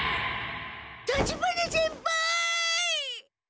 立花先輩！